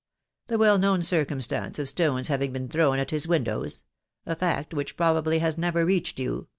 The well known circumstance of stones having been thrown at his windows .... a fact which probably has never reached you